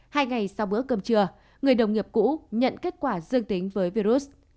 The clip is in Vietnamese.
hai ngày sau bữa cơm trưa người đồng nghiệp cũ nhận kết quả dương tính với virus